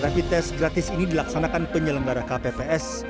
rapid test gratis ini dilaksanakan penyelenggara kpps